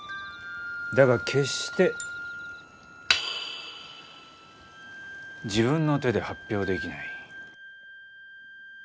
だが決して自分の手で発表できない。